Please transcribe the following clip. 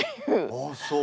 あっそう。